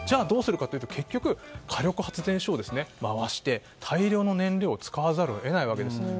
どうするかというと結局、火力発電所を回して大量の燃料を使わざるを得ないわけです。